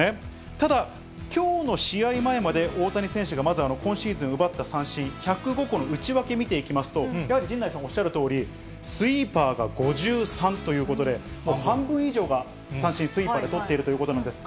ただきょうの試合前まで大谷選手がまず、今シーズン奪った三振１０５個の内訳見ていきますと、やはり陣内さんおっしゃるとおり、スイーパーが５３ということで、半分以上が、三振、スイーパーで取っているということなんですが。